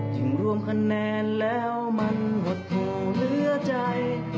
ถึงรวมคะแนนแล้วมันหดผงเหลือใจ